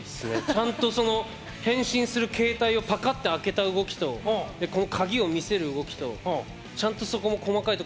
ちゃんと変身する携帯をパカッて開けた動きとでこの鍵を見せる動きとちゃんとそこも細かいとこまで見せてたのですごいなって。